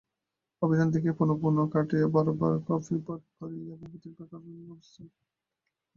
অভিধান দেখিয়া পুনঃপুনঃ কাটিয়া, বারবার কাপি করিয়া ভূপতির বেকার অবস্থার দিনগুলি কাটিতে লাগিল।